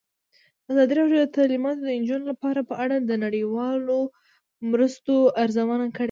ازادي راډیو د تعلیمات د نجونو لپاره په اړه د نړیوالو مرستو ارزونه کړې.